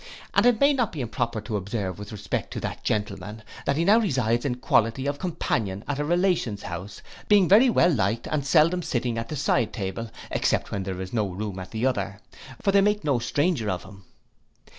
And it may not be improper to observe with respect to that gentleman, that he now resides in quality of companion at a relation's house, being very well liked and seldom sitting at the side table, except when there is no room at the other; for they make no stranger of him.